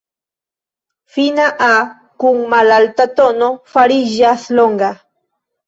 Fina "a" kun malalta tono fariĝas longa.